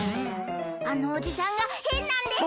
あのおじさんがへんなんです！